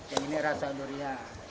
yang ini rasa durian